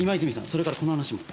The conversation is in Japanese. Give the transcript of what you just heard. それからこの話も。